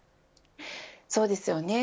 そうですよね。